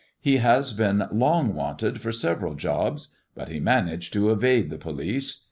He has been long wanted for several jobs, but he managed to evade the police.